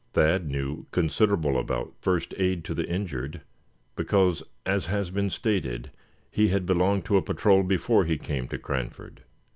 Thad knew considerable about first "aid to the injured", because, as has been stated, he had belonged to a patrol before he came to Cranford.